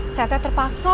saya te terpaksa